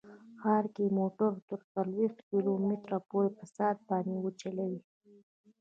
ښار کې موټر تر څلوېښت کیلو متره پورې په ساعت باندې وچلوئ